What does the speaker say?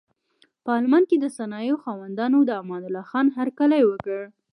په المان کې د صنایعو خاوندانو د امان الله خان هرکلی وکړ.